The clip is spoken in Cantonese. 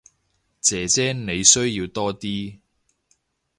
姐姐你需要多啲